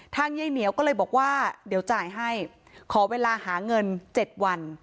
ยายเหนียวก็เลยบอกว่าเดี๋ยวจ่ายให้ขอเวลาหาเงิน๗วัน